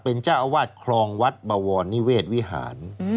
เป็นเจ้าอาวาสคลองวัดบวรนิเวศวิหาร